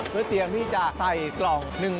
เพื่อเตรียมที่จะใส่กล่อง